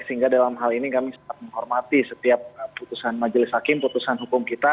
sehingga dalam hal ini kami sangat menghormati setiap putusan majelis hakim putusan hukum kita